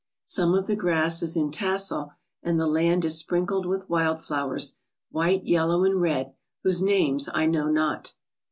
Some of the grass is in tassel, and the land is sprinkled with wild flowers, white, yellow, and red, whose names I know not.